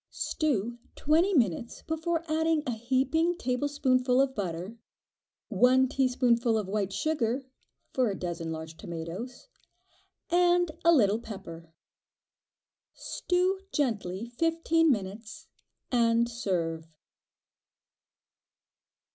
Stew twenty minutes before adding a heaping tablespoonful of butter, one teaspoonful of white sugar (for a dozen large tomatoes) and a little pepper. Stew gently fifteen minutes, and serve.